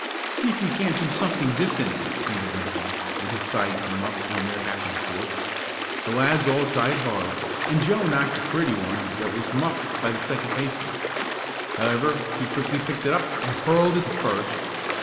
"See if we can't do something this inning!" pleaded Rankin when his side came up in their half of the fourth. The lads all tried hard and Joe knocked a pretty one that was muffed by the second baseman. However, he quickly picked it up and hurled it to first.